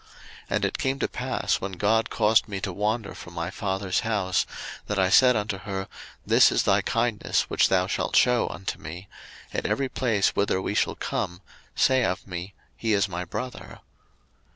01:020:013 And it came to pass, when God caused me to wander from my father's house, that I said unto her, This is thy kindness which thou shalt shew unto me; at every place whither we shall come, say of me, He is my brother.